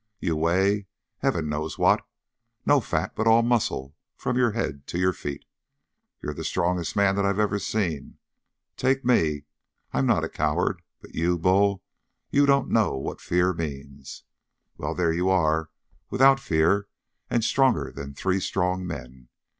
You weigh heaven knows what! No fat, but all muscle from your head to your feet. You're the strongest man that I've ever seen. Take me, I'm not a coward; but you, Bull, you don't know what fear means. Well, there you are, without fear, and stronger than three strong men.